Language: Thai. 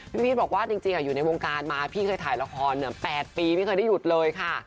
พี่พีชบอกว่าจริงอยู่ในวงการมาพี่เคยถ่ายละคร๘ปีไม่เคยได้หยุดเลยค่ะ